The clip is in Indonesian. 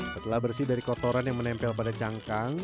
setelah bersih dari kotoran yang menempel pada cangkang